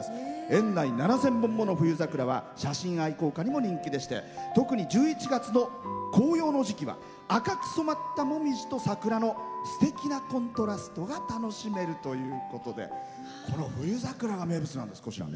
園内７０００本もの冬桜は写真愛好家にも人気でして特に１１月の紅葉の時期は赤く染まったもみじと桜のすてきなコントラストが楽しめるということでこの冬桜が名物なんです。